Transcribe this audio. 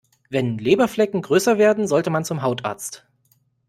Wenn Leberflecken größer werden, sollte man zum Hautarzt.